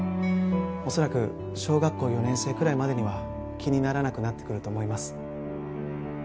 恐らく小学校４年生くらいまでには気にならなくなってくると思います。